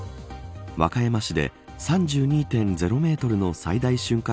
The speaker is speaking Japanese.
和歌山市で３２．０メートルの最大瞬間